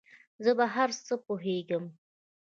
زۀ په هر څه پوهېږم